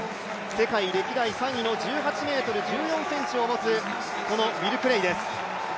世界歴代３位の１８ｍ１４ｃｍを持つこのウィル・クレイです。